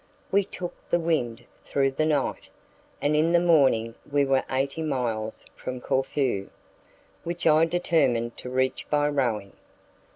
We took the wind through the night, and in the morning we were eighty miles from Corfu, which I determined to reach by rowing.